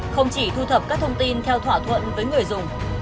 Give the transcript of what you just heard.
không chỉ thu thập các thông tin theo thỏa thuận với người dùng